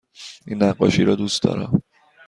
این نقاشی را دوست دارم.